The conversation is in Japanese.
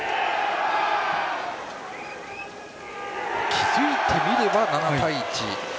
気付いてみれば７対１。